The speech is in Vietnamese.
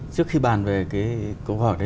trước khi bàn về cái câu hỏi đấy